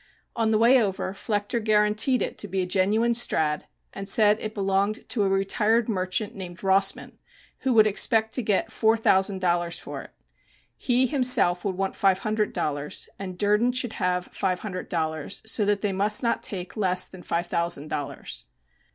On the way over Flechter guaranteed it to be a genuine Strad., and said it belonged to a retired merchant named Rossman, who would expect to get four thousand dollars for it. He himself would want five hundred dollars, and Durden should have five hundred dollars, so that they must not take less than five thousand dollars.